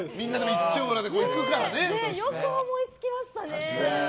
よく思いつきましたね。